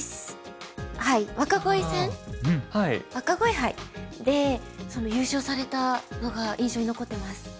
若鯉戦若鯉杯で優勝されたのが印象に残ってます。